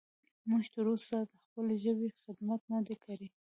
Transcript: موږ تر اوسه د خپلې ژبې خدمت نه دی کړی.